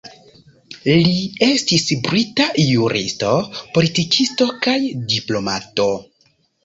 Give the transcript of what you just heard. Li estis brita juristo, politikisto kaj diplomato.